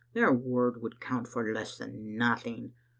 Their word would count for less than nothing.